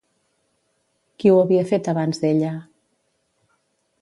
Qui ho havia fet abans d'ella?